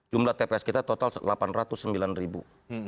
jumlah tps kita total delapan ratus sembilan ribu